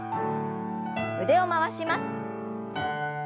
腕を回します。